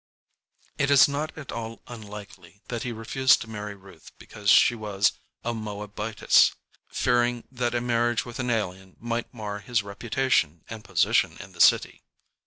It is not at all unlikely that he refused to marry Ruth because she was a Moabitess, fearing that a marriage with an alien might mar his reputation and position in the city.